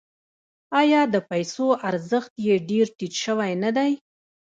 آیا د پیسو ارزښت یې ډیر ټیټ شوی نه دی؟